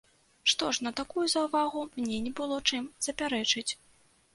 Што ж, на такую заўвагу мне не было чым запярэчыць.